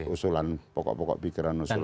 usulan pokok pokok pikiran usulan